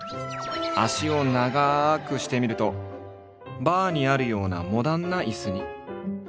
脚を長くしてみるとバーにあるようなモダンな椅子に。